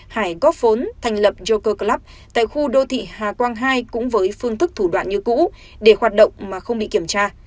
hải góp vốn thành lập joker club tại khu đô thị hà quang hai cũng với phương thức thủ đoạn như cũ để hoạt động mà không bị kiểm tra